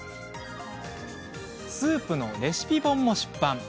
スープのレシピ本も出版。